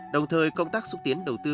đồng thời công tác xúc tiến đầu tư